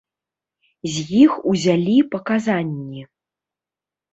З іх узялі паказанні.